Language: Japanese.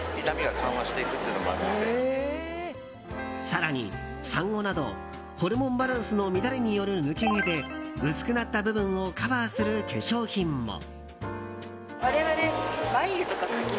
更に、産後などホルモンバランスの乱れによる抜け毛で薄くなった部分をカバーする化粧品も。